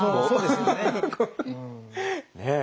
そうですね。